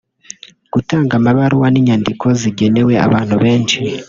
gutanga amabaruwa n’inyandiko zigenewe abantu benshi